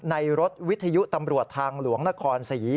ในรถวิทยุตำรวจทางหลวงนครศรี